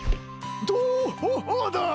どうだ？